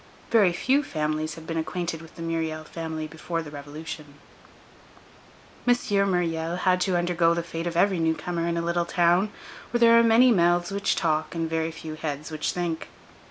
Very few families had been acquainted with the Myriel family before the Revolution. M. Myriel had to undergo the fate of every newcomer in a little town, where there are many mouths which talk, and very few heads which think.